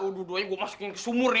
aduh duanya gue masukin ke sumur nih